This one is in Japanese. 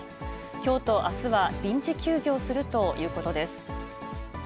きょうとあすは、臨時休業するということです。